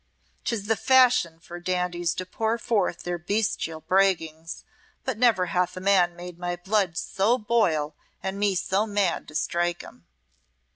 'Tis the fashion for dandies to pour forth their bestial braggings, but never hath a man made my blood so boil and me so mad to strike him."